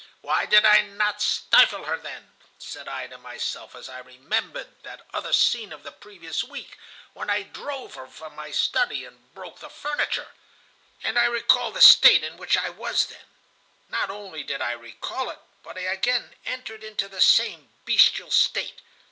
Why did I not stifle her then?' said I to myself, as I remembered that other scene of the previous week, when I drove her from my study, and broke the furniture. "And I recalled the state in which I was then. Not only did I recall it, but I again entered into the same bestial state.